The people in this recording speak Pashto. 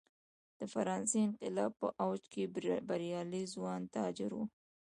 د فرانسې انقلاب په اوج کې بریالي ځوان تاجر و.